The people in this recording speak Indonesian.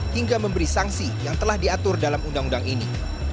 hingga memberi sanksi yang telah diatur dalam undang undang ini